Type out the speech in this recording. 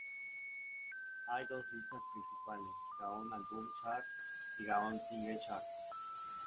Hay dos listas principales: Gaon Album Chart y Gaon Single Chart.